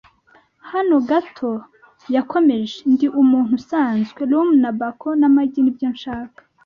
hano gato. ”Yakomeje. “Ndi umuntu usanzwe; rum na bacon n'amagi nibyo nshaka,